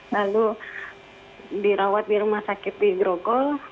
lalu dirawat di rumah sakit di grogol